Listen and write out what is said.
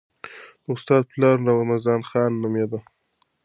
د استاد پلار رمضان خان نومېده.